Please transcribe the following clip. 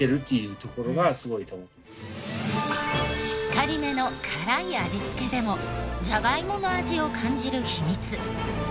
しっかりめの辛い味付けでもジャガイモの味を感じる秘密。